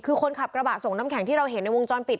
คือคนขับกระบะส่งน้ำแข็งที่เราเห็นในวงจรปิด